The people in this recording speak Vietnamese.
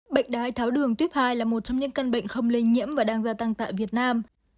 bệnh đái tháo đường tuyếp hai là một trong những căn bệnh không lây nhiễm và đang gia tăng tại việt nam